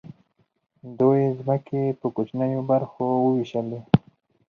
دوی ځمکې په کوچنیو برخو وویشلې.